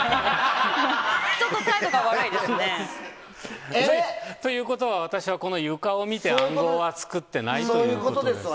ちょっと態度が悪いですね。ということは私はこの床を見て暗号は作っていないということです。